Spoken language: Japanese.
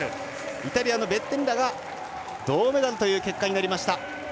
イタリアのベッテッラが銅メダルという結果になりました。